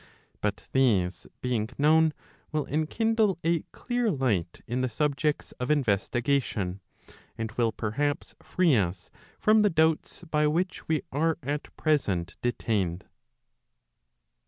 But these being known will enkindle a clear light in the subjects of investigation, and will perhaps free us from the doubts by which we are at present detained.